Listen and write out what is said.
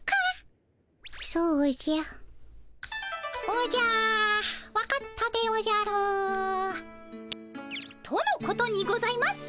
「おじゃわかったでおじゃる」。とのことにございます。